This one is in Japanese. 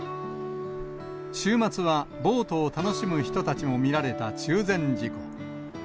週末はボートを楽しむ人たちも見られた中禅寺湖。